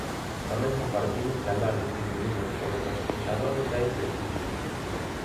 Tamén compartimos que andar dicindo números sobre rastrexadores é impreciso.